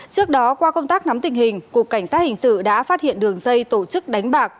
trước đó qua công tác nắm tình hình cục cảnh sát hình sự đã phát hiện đường dây tổ chức đánh bạc